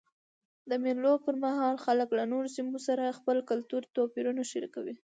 د مېلو پر مهال خلک له نورو سیمو سره خپل کلتوري توپیرونه شریکوي.